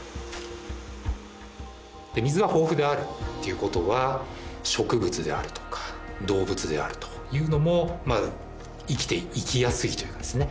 水が豊富であるっていうことは植物であるとか動物であるというのも生きていきやすいというかですね。